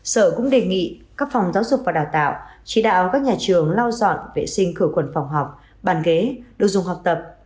sở cũng đề nghị các phòng giáo dục và đào tạo chỉ đạo các nhà trường lau dọn vệ sinh khử khuẩn phòng học bàn ghế đồ dùng học tập